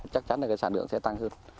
chắc chắn là sản lượng sẽ tăng hơn